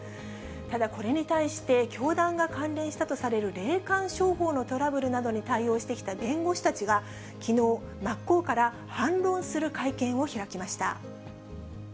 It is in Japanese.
ただこれに対して、教団が関連したとされる霊感商法のトラブルなどに対応してきた弁護士たちが、きのう、真っ向から反論する会見を開きました。